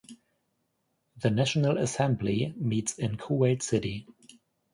The National Assembly meets in Kuwait City.